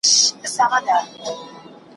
مرګه ستا په پسته غېږ کي له آرامه ګیله من یم ,